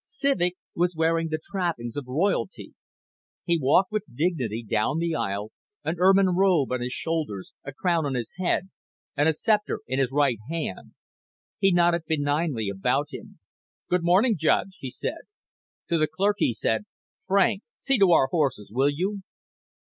Civek was wearing the trappings of royalty. He walked with dignity down the aisle, an ermine robe on his shoulders, a crown on his head and a scepter in his right hand. He nodded benignly about him. "Good morning, Judge," he said. To the clerk he said, "Frank, see to our horses, will you?"